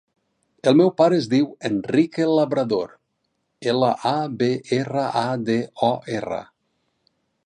El meu pare es diu Enrique Labrador: ela, a, be, erra, a, de, o, erra.